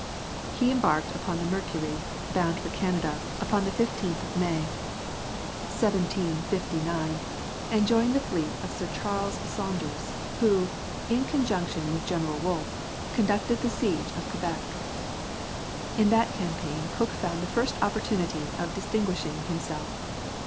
He embarked upon the Mercury, bound for Canada, upon the 15th of May, 1759, and joined the fleet of Sir Charles Saunders, who, in conjunction with General Wolfe, conducted the siege of Quebec. In that campaign Cook found the first opportunity of distinguishing himself.